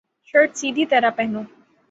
shirt سیدھی طرح پہنو